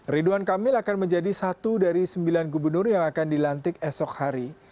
ridwan kamil akan menjadi satu dari sembilan gubernur yang akan dilantik esok hari